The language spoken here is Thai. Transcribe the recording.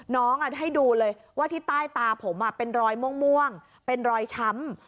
ให้ดูเลยว่าที่ใต้ตาผมเป็นรอยม่วงเป็นรอยช้ำ